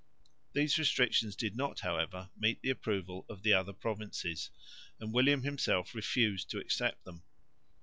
These restrictions did not, however, meet the approval of the other provinces, and William himself refused to accept them.